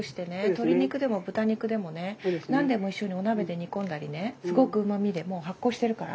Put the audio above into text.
鶏肉でも豚肉でもね何でも一緒にお鍋で煮込んだりねすごくうまみでもう発酵してるから。